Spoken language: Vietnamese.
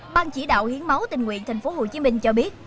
ban chỉ đạo hiến máu tình nguyện thành phố hồ chí minh cho biết